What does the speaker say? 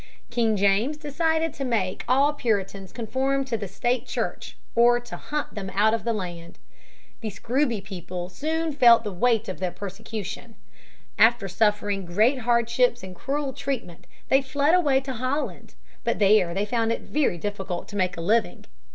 King James decided to make all Puritans conform to the State Church or to hunt them out of the land. The Scrooby people soon felt the weight of persecution. After suffering great hardships and cruel treatment they fled away to Holland. But there they found it very difficult to make a living.